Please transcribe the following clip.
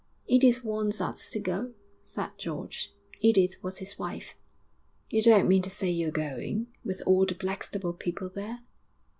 'Edith wants us to go,' said George Edith was his wife. 'You don't mean to say you're going, with all the Blackstable people there?'